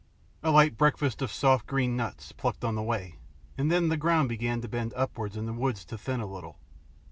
A light breakfast of soft green nuts, plucked on the way, and then the ground began to bend upwards and the woods to thin a little.